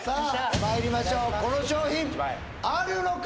まいりましょうこの商品あるのか？